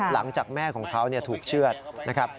หลังจากแม่ของเขาถูกเชื่อดนะครับ